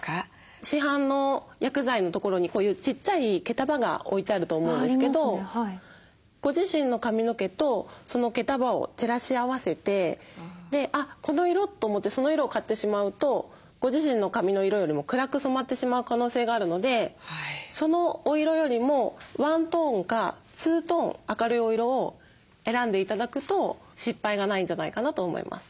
市販の薬剤のところにこういうちっちゃい毛束が置いてあると思うんですけどご自身の髪の毛とその毛束を照らし合わせてあっこの色！と思ってその色を買ってしまうとご自身の髪の色よりも暗く染まってしまう可能性があるのでそのお色よりも１トーンか２トーン明るいお色を選んで頂くと失敗がないんじゃないかなと思います。